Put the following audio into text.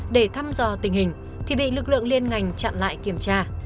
để thăm dò tình hình thì bị lực lượng liên ngành chặn lại kiểm tra